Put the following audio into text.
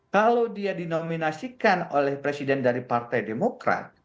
kalau dia dinominasikan oleh presiden dari partai demokrat